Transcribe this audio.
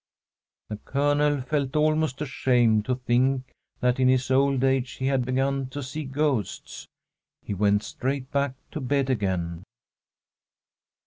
The Colonel felt almost ashamed to think that in his old age he had beg^n to see ghosts. He went straight back to bed again.